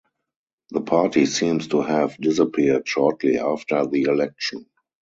The party seems to have disappeared shortly after the election.